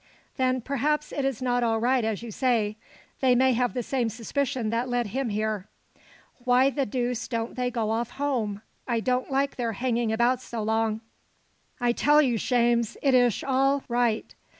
"Then perhaps it is not all right, as you say. They may have the same suspicion that led him here. Why the deuce don't they go off home? I don't like their hanging about so long." "I tell you, Shames, it ish all right.